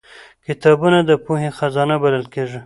کتابونه د پوهې خزانه بلل کېږي